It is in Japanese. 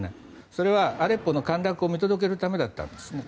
それはアレッポの陥落を見届けるためだったんですね。